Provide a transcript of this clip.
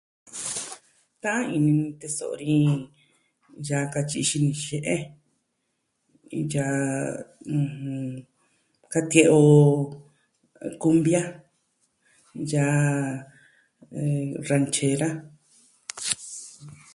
Ta'an ini ni teso'o ni yaa katyi xini jie'e yaa... ɨjɨn... katie'e o kumbia, yaa eh... ranchera